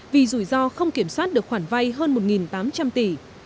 vì rủi ro không kiểm soát được khoản vay hơn một tám trăm linh tỷ